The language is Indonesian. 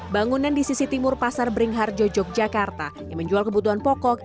bangunan di sisi timur pasar beringharjo yogyakarta yang menjual kebutuhan pokok